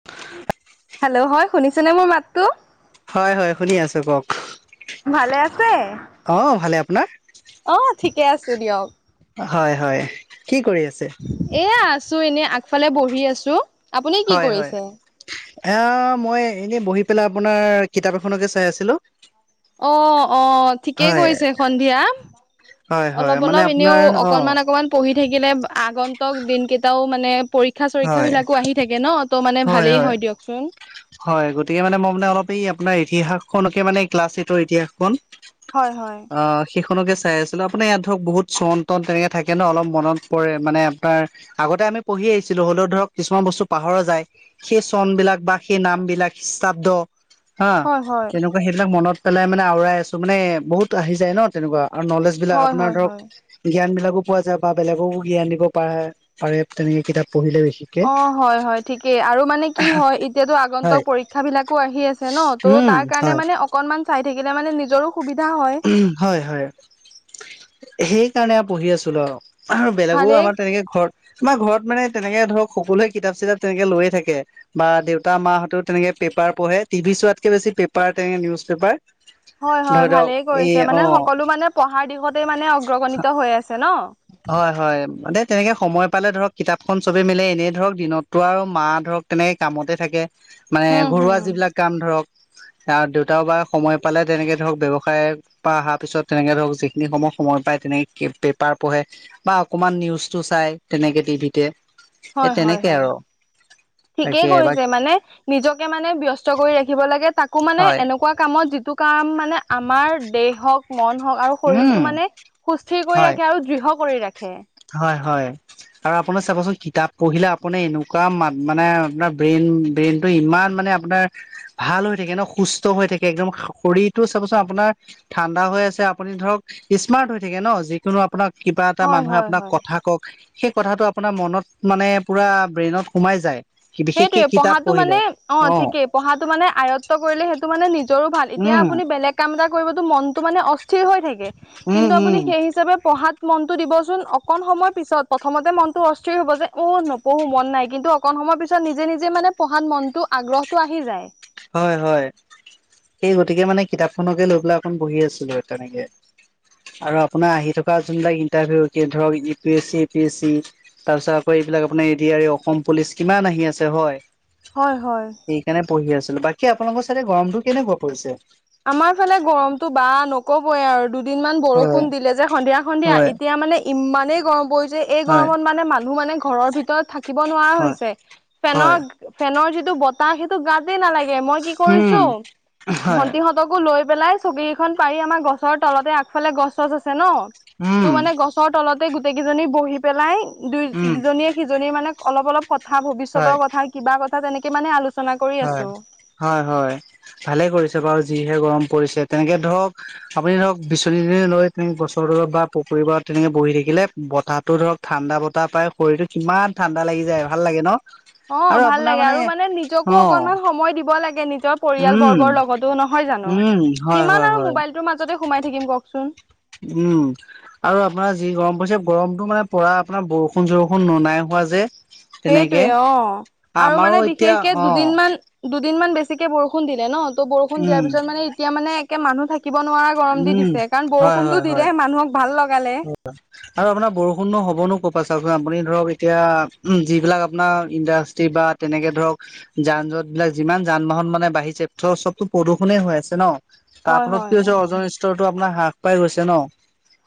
[inaudible] Hello হয় শুনিছনে মোৰ মাতটো। হয় হয় শুনি আছো কওক। ভালে আছে। অঁ ভালে, আপোনাৰ? অ ঠিকে আছো দিয়ক। হয় হয় কি কৰি আছে? এয়া আছো এনে আগফালে বহি আছো। আপুনি কি হয় হয় কৰিছে? এ মই এনে বহি পেলাই আপোনাৰ কিতাপ এখনকে চাই আছিলো। অঁ'অঁ' ঠিকেই হয় কৰিছে সন্ধিয়াত। হয় হয় অলপ মানে অলপ এনেও আপোনাৰ অ অকণমান অকণমান। পঢ়ি থাকিলে আগন্তক দিনকেইটাও মানে পৰী পৰীক্ষা হয় চৰীক্ষাবিলাকো আহি থাকে ন তো মানে ভালেই হয় দিয়কচোন। হয় গতিকে মানে মই মানে অলপ এই আপোনাৰ ইতিহাসখনকে মানে ক্লাছ এইটৰ ইতিহাসখন। হয় হয়। সেইখনকে চাই আছিলোঁ আপোনাৰ ইয়াত ধৰক বহুত চন তন তেনেকৈ থাকে ন অলপ মনত পৰে মানে আপোনাৰ আগতে আমি পঢ়ি আহি ছিলো হ'লেও ধৰক কিছুমান বস্তু পাহৰা যায় সেই চন বিলাক বা সেই নাম বিলাক খিষ্টাব্দ। হা হয় হয় কেনে সেইবিলাক মনত পেলাই মানে আওৰাই আছো মানে বহুত আহি যায় ন তেনেকুৱা আৰু নলেজ বিলাক হয় আপোনাৰ হয় ধৰক হয়। জ্ঞান বিলাকো পোৱা যায় বা বেলেগকো জ্ঞান দিব পাৰে পাৰে তেনেকে কিতাপ। পঢ়িলে সি। অঁ' হয় হয় ঠিকেই আৰু মানে কি হয় এতিয়াতো আগন্তক হয় পৰীক্ষা বিলাকো আহি আছে ন। ত' উম তাৰ কাৰণে হয় মানে অকনমান চাই থাকিলে মানে নিজৰো সুবিধা হয়। উ হয় হয় সেই কাৰণে পঢ়ি আছিলো আৰু। বেলেগো ভালেই আমাৰ তেনেকে ঘৰত তোমাৰ ঘৰত মানে তেনেকে ধৰক সকলোৱে কিতাপ চিতাপ তেনেকে লৈয়ে থাকে। বা দেউতা মাহঁতে তেনেকে পেপাৰ পঢ়ে টিভি চোৱাতকে বেছি পেপাৰ তেনেকে নিউজ পেপাৰ। হয় হয় ধৰি লওক ভালেই এই কৰিছে অ মানে সকলো মানে পঢ়াৰ দিশতে মানে অগ্ৰগণিত হৈ আছে ন। হয় হয় তেনেকে সময় পালে ধৰক কিতাপখন চবে মিলে এনেই ধৰক দিনত। তোৰ আৰু মা ধৰক তেনেকে কামতে থাকে মানে হুম ঘৰুৱা হুম যিবিলাক কাম ধৰক। আৰু দেউতাও বা সময় পালে তেনেকে ধৰক ব্যয়ৱসায়। পা অহাৰ পিছত তেনেকে ধৰক যিখিনি সময় সময় পায় তেনেকে কিপটেপ পেপাৰ পঢ়ে বা অকমান নিউজটো চাই তেনেকে টিভিতে এই হয় হয় তেনেকে হয় আৰু ঠিকেই তাকে এবাৰ কৰিছে মানে নিজকে মানে ব্যস্ত কৰি ৰাখিব লাগে তাকো মানে হয় এনেকোৱা কামত যিটো কাম মানে আমাৰ দেহক মন হওক আৰু উম শৰীৰটো মানে সুস্থিৰ কৰি হয় ৰাখে আৰু দৃঢ় কৰি ৰাখে হয় হয় আৰু আপোনাৰ চাব চোন কিতাপ পঢ়িলে আপুনি এনেকোৱা মা মানে আপোনাৰ ব্ৰেইন ব্ৰেইনটো ইমান মানে আপোনাৰ ভাল হৈ থাকে ন সুস্থ হৈ থাকে একদম শৰীৰটো চাব চোন আপোনাৰ ঠাণ্ডা হৈ আছে আপুনি ধৰক স্মাৰ্ট হৈ থাকে ন যিকোনো আপোনাৰ কিবা এটা হয় মানুহে হয় হয় থাকক সেই কথাটো আপোনাৰ মনত মানে পুৰা ব্ৰেইনত সোমাই যায় বিশেষকে সেইটোৱেই কিতাপ পঢ়াতো পঢ়িলে মানে অ ঠিকেই পঢ়াতো মানে আয়ত্ব কৰিলে সেইটো মানে নিজৰো ভাল এতিয়া উম আপুনি বেলেগ কাম এটা কৰিবতো মনটো মানে অস্থিৰ হৈ থাকে উম কিন্তু উম আপুনি সেই হিচাপে পঢ়াত মনটো দিবচোন অকন সময়ৰ পিছত প্ৰথমতে মনত অস্থিৰ হব যে অ নপঢ়ো মন নাই কিন্তু অকন সময়ৰ পি ছত নিজে নিজে মানে পঢ়াত মনটো আগ্ৰহতো আহি যায় হয় হয় সেই গতিকে মানে কিতাপখনকে লৈ পেলাই অকন বহি আছিলো তেনেকে আৰু আপোনাৰ আহি থকা যোনবিলাক ইন্টাৰভিউ ধৰক U P S C A P S C তাৰপিছত আকৌ এইবিলাক আপোনাৰ A D R E Assam police কিমান আহি আছে হয় হয় হয় কেনে পঢ়ি আছিলো বাকী আপোনালোকৰ চাইডে গৰমতো কেনেকোৱা পৰিছে আমাৰ ফালে গৰমতো বা নকবই আৰু দু দিনমান হয় বৰষুণ দিলে যে সন্ধিয়া সন্ধিয়া হয় এতিয়া মানে ইমানেই গৰম পৰি যে এই হয় গৰমত মানে মানুহ মানে ঘৰৰ ভিতৰত থাকিব নোৱাৰা হয় হৈছে হয় ফেনৰ ফেনৰ যিটো বতাহ সেইটো গাটেই নালাগে মই কি উম হয় সিহঁতকো লৈ পেলাই চকীকেইখন পাৰি আমাৰ গছৰ তলতে আগফালে গছ চছ আছে ন ত' উম মানে গছৰ তলতে গোটেই কেইজনী বহি পেলাই দুই উম ইজনীয়ে সি ধনীৰ মানে অলপ অলপ কথা হয় ভৱিষ্যতৰ কথা কিবা কথা তেনেকে মানে আলোচ হয় হয় হয় ভালে কৰিছে বাৰু যিহে গৰম পৰিছে তেনেকে ধৰক আপুনি ধৰক বিচনী দনে লৈ তেনেক গছৰ দূ বা পুখুৰীবাৰত তেনেকে বহি থাকিলে বতাহতো ধৰক ঠাণ্ডা বতাহ পাই শৰীৰটো কিমান ঠাণ্ডা লাগি যায় ভাল লাগে ন অ আৰু ভাল আপোনাৰ লাগে আৰু মানে নিজক কো অ অকমান সময় দিব লাগে নিজৰ পৰিয়াল উম বৰ্গৰ লগতো নহয় জানো উম হয় হয় কিমান আৰু হয় মোবাইল সেইটো মাজতে সোমাই থাকম কওকচোন উম আৰু আপোনাৰ যি গৰম পৰিছে গৰমতো মানে পৰা আপোনাৰ বৰষুণ চৰষুণ ননাই হোৱা যে তেনেকে সেইটোয়ে অ আৰু আমাৰো মানে এতিয়া বিশেষকে অ দুদিন মান দুদিনমান বেছিকে বৰষুণ দিলে ন ত বৰষুণ উম দিয়াৰ পিছত মানে এতিয়া মানে একে মানুহ থা- কিব নোৱাৰা গৰম দি উম দিছে কাৰণ হয় বৰষুণতো দিলে মানুহক ভাল লগালে হয় হয় আৰু আপোনাৰ বৰষুণো হ'বনো কৰ পৰা চাওকচোন আপুনি ধৰক এতিয়া উম যিবিলাক আপোনাৰ ইণ্ডাষ্ট্ৰি বা তেনেকে ধৰক যান জঁট বিলাক যিমান যান বাহন মানে বাঢ়িছে ত চবতো প্ৰদূষণেই হৈ আছে ন তা হয় আপোনাৰ হয় কি হৈছে হয় অজন স্তৰটো আপোনাৰ হ্ৰাস পাই গৈছে ন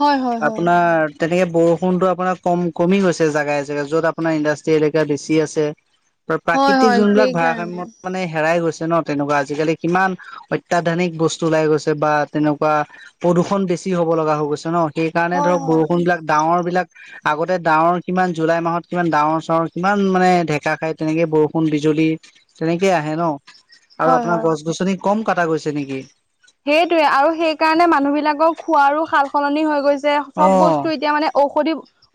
হয় হয় হয় আপোনাৰ তেনেকে বৰষুণতো আপোনাৰ কম কমি গৈছে জেগাই জেগাই য'ত আপোনাৰ ইণ্ডাষ্ট্ৰি এলেকা বেছি আছে [inaudible] প্ৰাকৃতিক হয় যোনবিলাক সেইকাৰণে ভাৰসাম্যত মানে হেৰাই গৈছে ন তেনেকুৱা আজিকালি কিমান অত্যাধুনিক বস্তু ওলাই গৈছে বা তেনেকুৱা প্ৰদূষণ বেছি হ'ব লগা হৈ গৈছে ন কাৰণে হয় ধৰক হয় বৰষুণ বিলাক ডাৱৰ বিলাক আগতে ডাৱৰ কিমান জুলাই মাহত কিমান ডাৱৰ চাৱৰ কিমান মানে ঢেকা খায় তেনেকে বৰষুণ বিজুলী তেনেকে আহে ন আৰু হয় আপোনাৰ হয় গছ গছনি কম কাটা গৈছে নেকি সেইটোৱে আৰু সেই কাৰণে মানুহ বিলাকৰ খোৱাৰো সাল সলনি হৈ গৈছে যে অ চব বস্তু এতিয়া মানে ঔষধি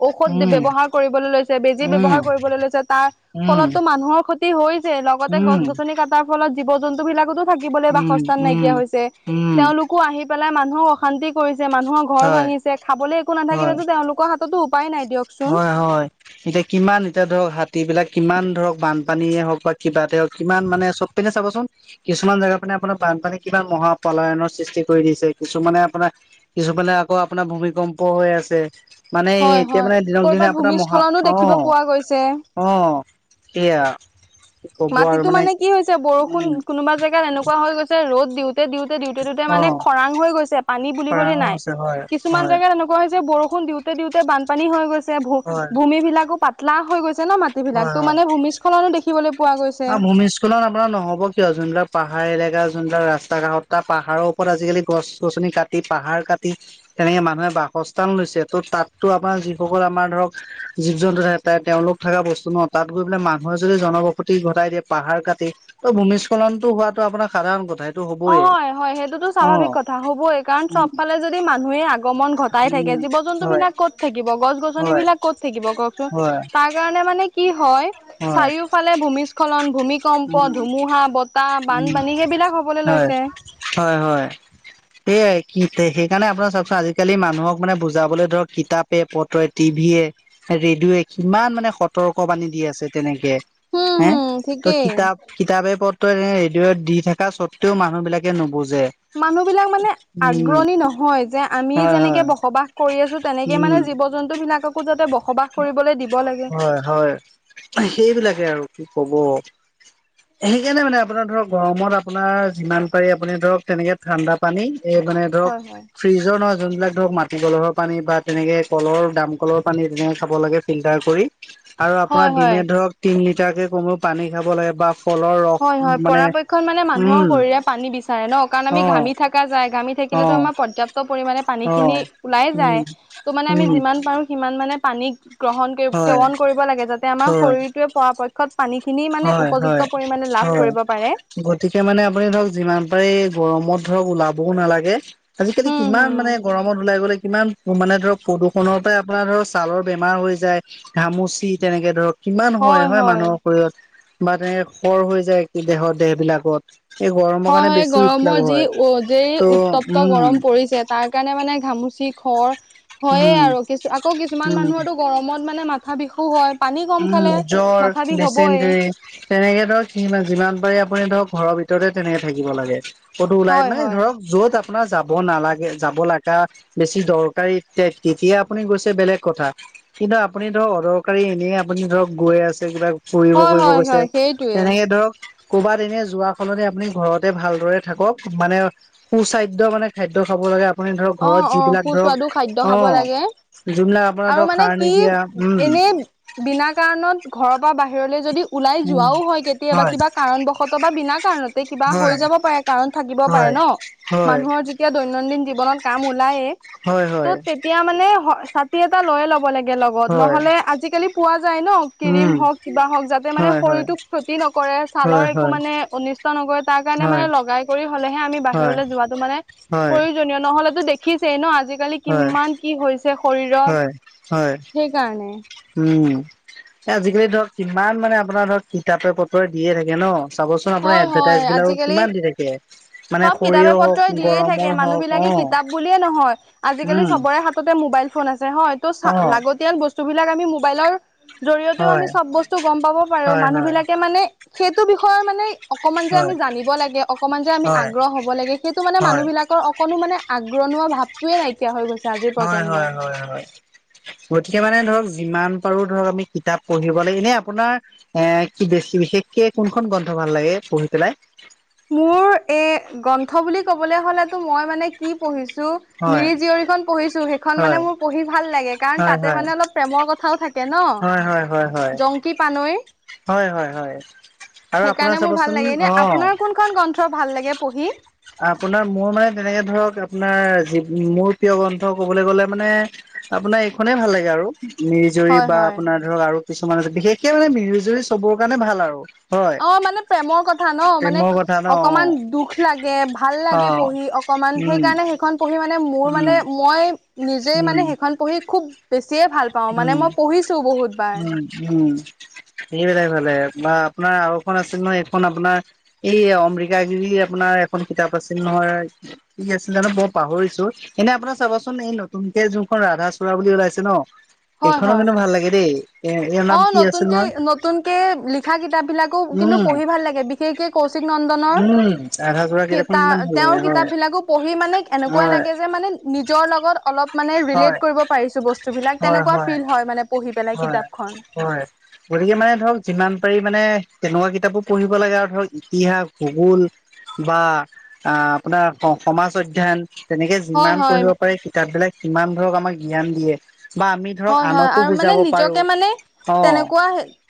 ঔষধ বে উম ব্যৱহাৰ কৰিবলৈ লৈছে বেজি উম ব্যৱহাৰ কৰিবলৈ লৈছে তাৰ উম ফলতো মানুহৰ ক্ষত তি হৈছে লগতে গছ উম গছনি কাটাৰ ফলত জীৱ জন্তু বিলাকতো থাকিবলৈ উম বাসস্থান উম নাইকিয়া হৈছে উম তেওঁলোকো আহি পেলাই মানুহক অশান্তি কৰিছে মানুহৰ ঘৰ হয় ভাঙিছে খাবলৈ একো হয় নাথাকিলেতো তেওঁলোকৰ হাত তটো হয় হয় এতিয়া কিমান এতিয়া ধৰক হাতী বিলাক কিমান ধৰক বানপানীয়ে হওক বা কিবাতে হওক কিমান মানে চব তেনে ছাবচোন কিছুমান জেগাত মানে আপোনাৰ বানপানী কিমান মহাপলায়নৰ সৃষ্টি কৰি দিছে কিছুমানে আপোনাৰ কিছুমানে আকৌ আপোনাৰ ভূমিকম্প হৈ আছে মানে এই হয় এয়া হয় মানে দিনক দিনে কৰ'বাত আপোনাৰ মহা ভূমিস্খলনো অ দেখিব পোৱা গৈছে। অ সেয়া ক'ব আৰু মাটিতো মানে কি হৈছে বৰষুণ উম কোনোবা জেগাত এনেকুৱা হৈ গৈছে ৰ'দ দিওঁ তে দিওঁতে দিওঁতে দিওঁতে অ মানে খৰাং হৈ গৈছে পানী বুলিবলৈ খৰাঙো নাই আছে হয় কিছুমান হয় জেগাত এনুক কুৱা হৈছে বৰষুণ দিওঁতে দিওঁতে বানপানী হৈ গৈছে ভু হয় ভূমি বিলাকো পাতলা হৈ গৈছে ন মাত টি বিলাক তো মান ভূমিস্খলনো দেখিবলে আ ভূমিস্ চলন আপোনাৰ নহ'ব কিয় যোনবিলাক স্খলন আপোনাৰ নহব কিয় যোনবিলাক পাহাৰ এলেকা যোনবিলাক ৰাস্তা কাষত তা পাহাৰৰ ওপৰত আজিকালি গছ গছনি কাট টি পাহাৰ কাটি তেনেকে মানুহে বাসস্থান লৈছে ত' তাতো আমাৰ যিসকল আমাৰ ধৰক জীৱ জন্তু থাক তে তেওঁলোক থাকা বস্তু ন তাত গৈ পেলাই মানুহে যদি জনবস সতি ঘটাই দিয়ে পাহাৰ কাটি ত ভূমিস্থলনটো হোৱাটো আপোনাৰ সাধাৰণ কথা সে অ হয় হয় সেইটোতো স্বাভাৱিক কথা হ'বই কাৰণ উম চব ফালে যদি মানুহে আগমন ঘট তাই থাকে উম জীৱ জন্তু হয় বিলাক ক'ত থাকিব গছ গছন হয় বিলাক ক'ত থাকিব কওকচোন হয় তাক কাৰণে মানে কি হয় হয় চাৰিওফালে ভূমি্চ খলন ভূমিকম্প উম ধুমুহা বতাহ উম বানপানী সেইবিলাক হ' হয় হয় হয় সেয়াই কি সেইকাৰণে আপোনাৰ চাওকচোন আজিকালি মানুহক মানে বুজাবলৈ ধৰক কিতাপ পে পত্ৰৱে টিভিয়ে ৰেডিঅৱে কিমান মানে সতৰ্ক বানী দি আছে তেনেকে উম হম হুম ঠিকেই কিতাপে পত্ৰৱে ৰেডিঅ'ত দি থকা স্বত্তেও মানুহ বিলাকে নুবুজে মানুহ বিলাক মানে উম আগ্ৰণী নহয় যে আমি হয় হয় যেনেকে বসবাস কৰি আছো তেনেকে উম মানে জীৱ জন্তু বিলাকক কো যাতে বসবাস কৰিবলৈ দিব লাগে হয় হয় সেইবিলাকে আৰু কি কব [inaudible] সেইকাৰণে মানে আপোনাৰ ধৰক গৰমত আপোনাৰ যিমান পাৰে আপুনি ধৰক তেনেকে ঠাণ্ডা পানী এই মানে ধৰক হয় হয় ফ্ৰিজৰ নহয় যোনবিলাক ধৰক মাটি কলহৰ পানী বা তেনেকে কলৰ দাম কলৰ পানী তেনে খাব লাগে ফিল্টাৰ কৰি আৰু আপোনাৰ হয় দিনে হয় ধৰক তিন লিটাৰকে কমেও পানী খাব লাগে বা ফলৰ ৰস হয় হয় মানে পৰাপক্ষত মানে মানুহৰ উম শৰীৰে পানী বিচাৰে ন কাৰণ আমি ঘামি থাক কা যায়, ঘামি অ অ থাকিলেতো আমাৰ পৰ্যাপ্ত পৰিমাণে অ পানীখিনি ওলাই যায়, উম ত' মানে আমি উম যিমান পাৰো সিমান মানে পানী গ্ৰহণ কৰিব হয় সেৱন কৰিব লাগে যাতে আমাৰ হয় শৰীৰটোৱে পৰাপক্ষত পানীখিনি মানে হয় উপযুক্ত হয়। পৰিমাণে লাভ কৰিব পাৰে গতিকে মানে আপুনি ধৰক যিমান পাৰে গৰমত ধৰক ওলাবও নালাগে। আজিকালি হম কিমান হম মানে গৰমত ওলাই গলে কিমান মানে ধৰক প্ৰদূষণৰ পৰাই আপোনাৰ ধৰক ছালৰ বেমাৰ হৈ যায়, ঘামুচি তেনেকে ধৰক কিমান হয় হয় মানুহৰ শৰীৰত বা তেনেকে খৰ হৈ যায় কি দেহৰ দেহবিলাকত। হয় হয়, গৰমৰ যি উ যেই ত' উত্তপ্ত উম গৰম পৰিছে তাৰ কাৰণে মানে ঘামুচি খৰ হয়ে উম আৰু কিছু আকৌ কিছুমান উম। মানুহৰটো গৰমত মানে মাথা বিষু হয়। পানী কম খালে উম, জ্বৰ, মাথা বিষ হবই ডিছেন্তেৰি সে সেয়ে ধৰক সিমান যিমান পাৰি আপুনি ধৰক ঘৰৰ ভিতৰতে তেনেকে থাকিব লাগে। কতো ওলাই হয় মানে হয় ধৰক য'ত আপোনাৰ যাব নালাগে, যাব লাগা বেছি দৰকাৰী তিয়া তেতিয়া আপুনি গৈছে বেলেগ কথা কিন্তু আপুনি ধৰক অদৰকাৰী এনে আপুনি ধৰক গৈ আছে কিবা ফুৰিব হয় কৰিব হয় গৈছে হয় সেইটোৱে তেনেকে ধৰক ক'ৰবাত এনে যোৱা সলনি আপুনি ঘৰতে ভালদৰে থাকক মানে সুস্বাদ্য মানে খাদ্য খাব লাগে, আপুনি ধৰক অ ঘৰত অ যিবিলাক ধৰক সুস্বাদু খাদ্য অ। খাব লাগে যোনবিলাক আপোনাৰ আৰু ধৰক মানে সাৰ কি নিদিয়া উম। এনেই বিনা কাৰণত ঘৰৰ পৰা বাহিৰলৈ যদি ওলাই উম, যোৱাও হয় কেতিয়াবা কিবা কাৰণবশতঃ বা বিনা কাৰণতে কিবা হয়, হৈ যাব পাৰে কাৰণ থাকিব পাৰে হয়, ন। হয়। এতিয়া দৈনন্দিন জীৱনত কাম ওলায়ে। হয় হয়। এতিয়া মানে হ ছাতি এটা লৈয়ে ল'ব লা কে লগত, হয়, নহলে আজিকালি পোৱা যায় ন ক্ৰীম উম, হওক, কিবা হওক যাতে মানে হয়, হয়, শৰীৰটোক ক্ষতি নকৰে, হয়, ছালৰ হয়, একো হয়, মানে অনিষ্ট নকৰে তাৰ কাৰণে হয়, মানে লগাই কৰি হলেহে আমি হয়, বাহিৰলৈ যোৱাত তোমাৰে হয়। জুনিয়ৰ নহলেতো দেখিছেই ন আজিকালি হয়, কিমান কি হৈছে শৰীৰত হয়, সেইকাৰণে। উম। এ আজিকালি ধৰক কিমান মানে আপোনাৰ ধৰক কিতাপে - পত্ৰয়ে দিয়ে থাকে ন। চাবচোন আপোনাৰ হয় হয় এডভাৰটাইজবিলাক আজিকালি কিমান দি থাকে মানে চব কিতাপে শৰীৰৰ পত্ৰই হওক, দিয়ে থাকে গৰমৰ মানুহ হওক বিলাকে অ। কিতাপ বুলিয়ে নহয় আজিকালি উম, চবৰে হা ততে মোবাইল ফোন আছে হয় ত চা অ', লাগতিয়াল বস্তুবিলাক আমি মোবাইলৰ জৰিয়তেও আমি হয়, চব বস্তু গম পাব পাৰো, হয়, হয়, হয়, মানুহবিলাকে মানে সেইটো বিষয়ে মানে অকমান যে আমি হয়, জানিব লাগে, অকণমান যে আমি হয়, আগ্ৰহ হ'ব লাগে সেইটো মানে হয়, মানুহবিলাকৰ অকনো মানে আগ্ৰহ নোহোৱা ভাৱটোৱে নাইকিয়া হৈ গৈছ হয় হয় হয় হয়। গতিকে মানে ধৰক যিমান পাৰো ধৰক আমি কিতাপ পঢ়িব লাগে এনেই আপোনাৰ এ কি বেছি বিশেষকে কোনখন গ্ৰন্থ ভাল লাগে পঢ়ি পেলাই? মোৰ এ গ্ৰন্থ বুলি ক'বলৈ হলেতো মই মানে কি পঢ়িছো হয় মিৰি জীয়ৰীখন পঢ়িছো সেইখন হয় মানে মোৰ পঢ়ি ভাল লাগে কাৰণ হয় তাতে হয় মানে অলপ প্ৰেমৰ কথাও থাকে ন হয় হয় হয় হয় জংকী পানৈ হয় হয় হয় আৰু আপোনাৰ সেইকাৰণে মোৰ ভাল চাবচোন লাগে এনে অ আপোনাৰ কোনখন গ্ৰন্থ ভাল লাগে পঢ়ি আপোনাৰ মোৰ মানে তেনেকে ধৰক আপোনাৰ মোৰ প্ৰিয় গ্ৰন্থ ক'বলৈ গ'লে মানে আপোনাৰ এইখনেই ভাল লাগে আৰু মিৰিজিয়ৰি হয় বা হয় আপোনাৰ ধৰক আৰু কিছুমান আছে বিশেষকে মানে মিৰিজিয়ৰি চবৰ কাৰণে ভাল আৰু হয় অ মানে প্ৰেমৰ কথা ন মানে প্ৰেমৰ কথা ন অ অকমান দুখ লাগে ভাল অ লাগে পঢ়ি অকমান উম সেইকাৰণে সেইখন পঢ়ি মানে মোৰ উম মানে মই নিজেই মানে উম সেইখন পঢ়ি খুব বেছিয়ে ভাল পাওঁ মানে উম মই পঢ়িছোঁ বহুতবাৰ উম, উম সেইবিলাক ভালে বা আপোনাৰ আৰু এখন আছিল নহয় এইখন আপোনাৰ এই অম্বিকা গিৰি যে আপোনাৰ এখন কিতাপ আছিল নহয় কি আছিলে জানো মই পাহৰিছো এনে আপোনাৰ চাবাচোন এই নতুনকে যোনখন ৰাধা চূড়া বুলি ওলাইছে ন হয় এইখনো হয় কিন্তু ভাল লাগে দেই এ ইয়াৰ অ নাম কি আছিল নতুনকে নহয় নতুনকে লিখা কিতাপ বিলাকো কিন্তু উম, পঢ়ি ভাল লাগে বিশেষকে কৌশিক নন্দনৰ উম, ৰাধা চূড়া কিতাপখন কিমান ভাল তেওঁৰ লাগে কিতাপ হয়, বিলাকো পঢ়ি মানে এনেকুৱা হয়, লাগে যে মানে নিজৰ লগত অলপ মানে ৰিলেট হয়, কৰিব পাৰিছো বস্তুবিলাক তেনেকুৱা ফিল হয় মানে পঢ়ি পেলাই হয় কিতাপখন। হয় গতিকে মানে ধৰক যিমান পাৰি মানে তেনেকুৱা কিতাপো পঢ়িব লাগে আৰু ধৰক ইতিহাস ভূগোল বা আ আপোনাৰ সমাজ অধ্যয়ন তেনেকে হয় যিমান হয়। পঢ়িব পাৰে কিতাপ বিলাক সিমান ধৰক আমাক জ্ঞান দিয়ে বা আমি ধৰক হয় হয় আনকো আৰু বুজি মানে নিজকে মানে তেনেকুৱা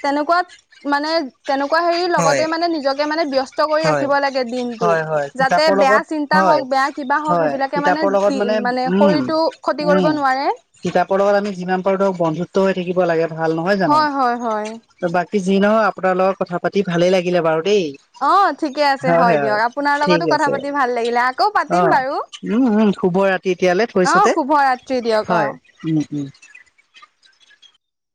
তেনেকুৱাত মানে তেনেকুৱা হেৰিৰ হয়, লগতে মানে নিজকে মানে ব্যস্ত কৰি হয়, ৰাখিব লাগে দিনটো হয়, হয় যাতে কিতাপৰ বেয়া লগত চিন্তা টা হয়, হওক বেয়া কিবা হওক হয় সেইবিলাকে মানে কিতাপৰ লগত দি মানে উম, শৰীৰতটো ক্ষতি কৰিব উম, নোৱাৰে। কিতাপৰ লগত আমি যিমান পাৰোঁ ধৰক বন্ধুত্ব হৈ থাকিব লাগে ভাল নহয় জানো? হয় হয় হয়। বাকী যি নহয় আপোনাৰ লগত কথা পাতি ভালেই লাগিলে বাৰু দেই। অ ঠিকে আছে হয় দিয়ক আপোনাৰ লগতো কথা পাতি ভাল লাগিলে আকৌ অ পাতিম বাৰু। উম উম শুভ ৰাতি এতিয়ালৈ অ থৈছোতে শুভ ৰাত্ৰি দিয়ক অ হয় উম উম।